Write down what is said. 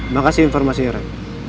makasih informasinya ren